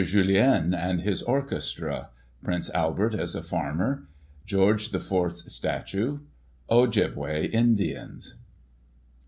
Jullien and his orchestra — Prince Albert as a farmer — George IV. 's Statue — Ojibbeway Indians.